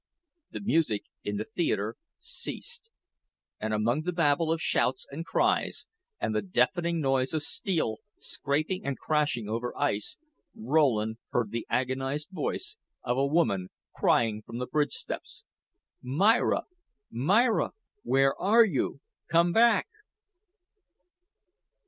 The music in the theater ceased, and among the babel of shouts and cries, and the deafening noise of steel, scraping and crashing over ice, Rowland heard the agonized voice of a woman crying from the bridge steps: "Myra Myra, where are you? Come back."